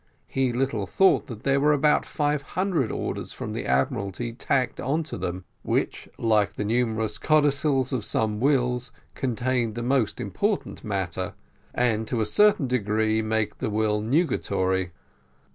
He little thought that there were about five hundred orders from the admiralty tacked on to them, which, like the numerous codicils of some wills, contained the most important matter, and to a certain degree make the will nugatory.